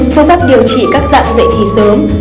phương pháp điều trị các dạng dạy thi sớm